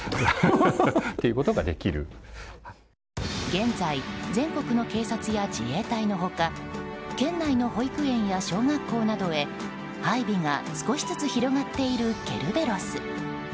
現在、全国の警察や自衛隊の他県内の保育園や小学校などで配備が少しずつ広がっているケルベロス。